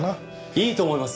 いいと思います。